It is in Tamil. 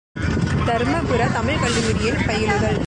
● தருமபுரம் தமிழ்க் கல்லூரியில் பயிலுதல்.